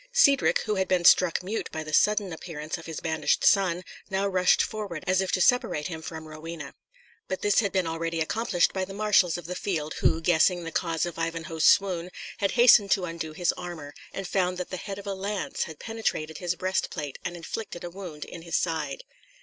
Cedric, who had been struck mute by the sudden appearance of his banished son, now rushed forward, as if to separate him from Rowena. But this had been already accomplished by the marshals of the field, who, guessing the cause of Ivanhoe's swoon, had hastened to undo his armour, and found that the head of a lance had penetrated his breast plate and inflicted a wound in his side.